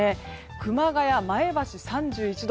熊谷、前橋、３１度。